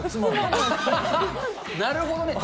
なるほどね。